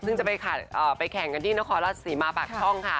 ซึ่งจะไปแข่งกันที่นครราชศรีมาปากช่องค่ะ